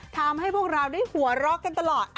ทำให้พวกเราได้หัวเราะกันตลอด